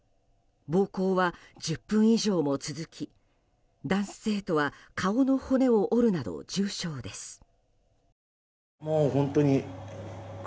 暴行は１０分以上も続き男子生徒は顔の骨を折るなど重傷です。